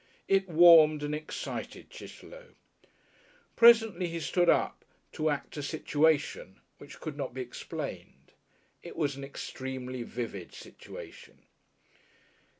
It warmed and excited Chitterlow. Presently he stood up to act a situation which could not be explained. It was an extremely vivid situation.